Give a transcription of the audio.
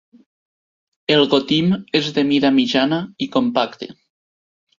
El gotim és de mida mitjana i compacte.